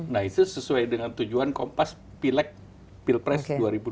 nah itu sesuai dengan tujuan kompas pilek pilpres dua ribu dua puluh